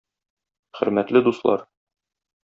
Хөрмәтле дуслар!